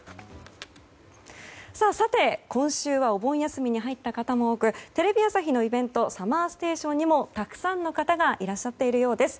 さて、今週はお盆休みに入った方も多くテレビ朝日のイベント「ＳＵＭＭＥＲＳＴＡＴＩＯＮ」にもたくさんの方がいらっしゃっているようです。